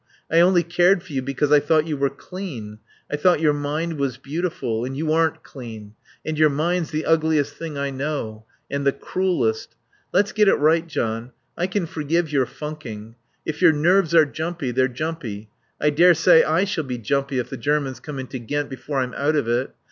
I only cared for you because I thought you were clean. I thought your mind was beautiful. And you aren't clean. And your mind's the ugliest thing I know. And the cruelest.... Let's get it right, John. I can forgive your funking. If your nerves are jumpy they're jumpy. I daresay I shall be jumpy if the Germans come into Ghent before I'm out of it.